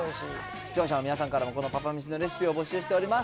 視聴者の皆さんからも、このパパめしのレシピを募集しております。